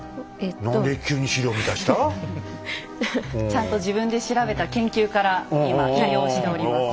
ちゃんと自分で調べた研究から今引用しております。